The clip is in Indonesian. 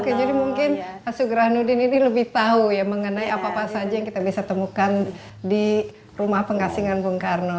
oke jadi mungkin pak sugrah nudin ini lebih tahu ya mengenai apa apa saja yang kita bisa temukan di rumah pengasingan bung karno